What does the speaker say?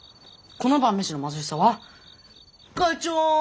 この晩飯の貧しさはガチョン！